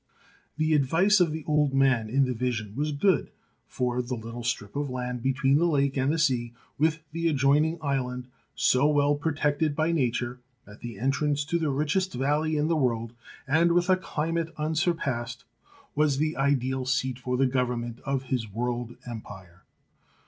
The advice of the old man in the vision was good, for the little strip of land be tween the lake and the sea, with the adjoining island, so well protected by nature, at the entrance to the richest valley in the world, and with a climate unsurpassed, was the ideal seat for the government of his world empire.